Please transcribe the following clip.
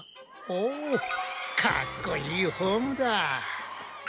おぉかっこいいフォームだ！